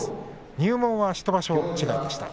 入門は１場所違いでした。